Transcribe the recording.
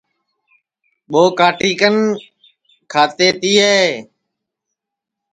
ٻو کاٹی کن کھاتے تیے